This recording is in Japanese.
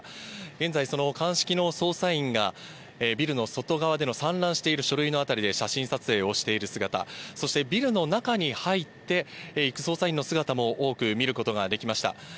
現在、その鑑識の捜査員がビルの外側での散乱している書類の辺りで写真撮影をしている姿、そしてビルの中に入っていく捜査員の姿も多く見ることができました。